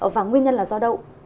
và nguyên nhân là do đâu